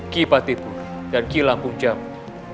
ki patipu dan ki lampung jamu